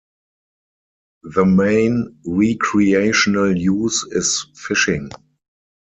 The main recreational use is fishing.